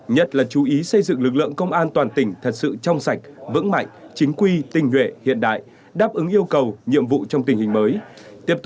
nhất là chú ý xây dựng lực lượng công an toàn tỉnh thật sự trong sạch vững mạnh chính quy tình nguyện hiện đại đáp ứng yêu cầu nhiệm vụ trong tình hình mới